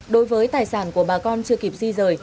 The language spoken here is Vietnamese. đối với tài sản của bà con chưa kịp di rời